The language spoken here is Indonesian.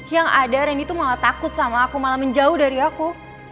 yang ada randy tuh malah takut sama aku malah menjauh dari aku